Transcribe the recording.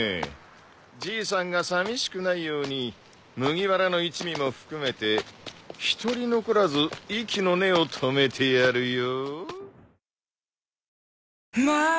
じいさんがさみしくないように麦わらの一味も含めて一人残らず息の根を止めてやるよ。